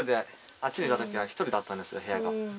あっちにいたときは１人だったんですねへやが。